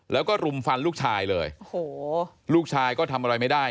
แล้วก็รุมฟันลูกชายเลยโอ้โหลูกชายก็ทำอะไรไม่ได้